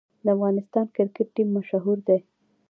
د افغانستان کرکټ ټیم مشهور دی